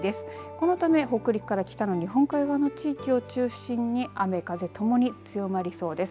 このため北陸から北の日本海側の地域を中心に雨、風ともに強まりそうです。